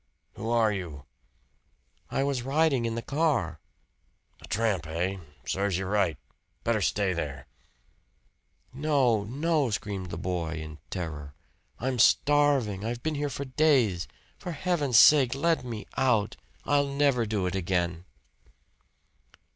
"Who are you?" "I was riding in the car." "A tramp, hey? Serves ye right! Better stay there!" "No! No!" screamed the boy, in terror. "I'm starving I've been here for days. For heaven's sake let me out I'll never do it again."